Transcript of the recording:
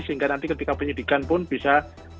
sehingga nanti ketika penyidikan pun bisa